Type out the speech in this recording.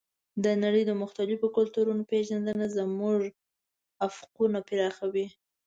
د نړۍ د مختلفو کلتورونو پېژندنه زموږ افقونه پراخوي.